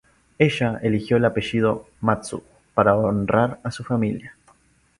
Ella eligió el apellido "Matsu" para honrar a su familia.